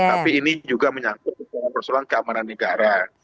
tapi ini juga menyangkut persoalan persoalan keamanan negara